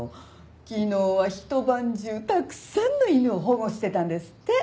昨日はひと晩中たくさんの犬を保護してたんですって。